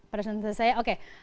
pada saat ini selesai oke